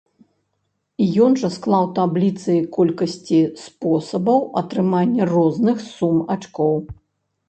Ён жа склаў табліцы колькасці спосабаў атрымання розных сум ачкоў.